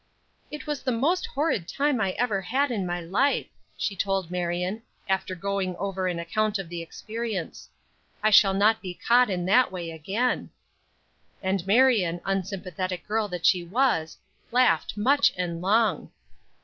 "It was the most horrid time I ever had in my life!" she told Marion, after going over an account of the experience. "I shall not be caught in that way again." And Marion, unsympathetic girl that she was, laughed much and long.